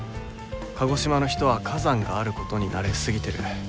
鹿児島の人は火山があることに慣れすぎてる。